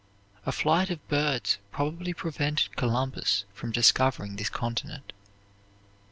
A flight of birds probably prevented Columbus from discovering this continent.